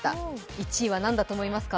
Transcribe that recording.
１位はなんだと思いますか？